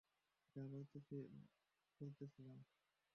যা বলতে বলছিলাম?